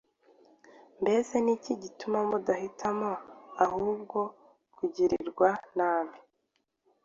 Mbese ni iki gituma mudahitamo ahubwo kugirirwa nabi?...